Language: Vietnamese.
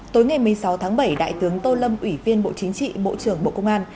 tối ngày một mươi sáu tháng bảy đại tướng tô lâm ủy viên bộ chính trị bộ trưởng bộ công an